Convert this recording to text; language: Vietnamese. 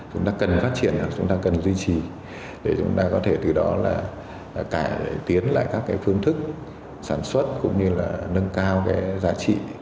chúng ta cần phát triển chúng ta cần duy trì để chúng ta có thể từ đó là cải tiến lại các cái phương thức sản xuất cũng như là nâng cao cái giá trị